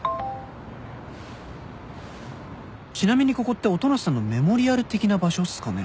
「ちなみにここって音無さんのメモリアル的な場所っすかね？」